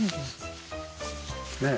ねえ。